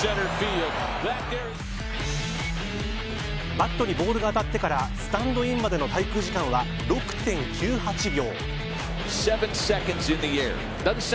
バットにボールが当たってからスタンドインまでの滞空時間は６．９８秒。